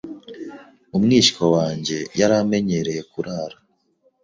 Umwishywa wanjye yari amenyereye kurara.